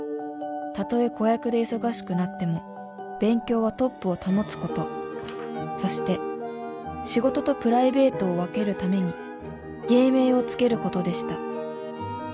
「たとえ子役で忙しくなっても勉強はトップを保つこと」「そして仕事とプライベートを分けるために」「芸名をつけることでした」